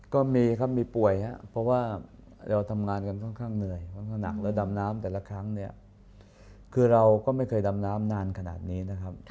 ก็มีครับมีป่วยครับเพราะว่าเราทำงานกันค่อนข้างเหนื่อยลักษณะและดำน้ำแต่ละครั้งเนี่ยคือเราก็ไม่เคยดำน้ำนานขนาดนี้นะครับ